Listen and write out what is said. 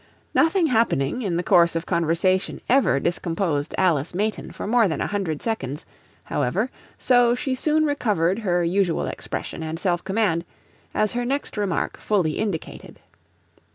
Nothing happening in the course of conversation ever discomposed Alice Mayton for more than a hundred seconds, however, so she soon recovered her usual expression and self command, as her next remark fully indicated.